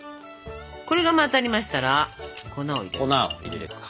これが混ざりましたら粉を入れていきます。